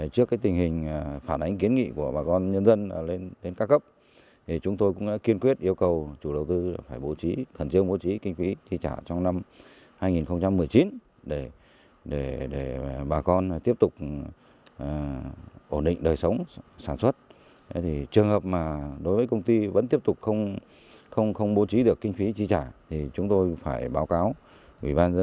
trước những ý kiến phản ánh của người dân ubnd huyện văn lãng đã giao cho các cơ quan chuyên môn phối hợp đo đạt kiểm đếm lên phương án bồi thương bồi thương bồi thương